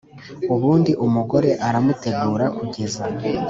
Ubundi umugore uramutegura kugeza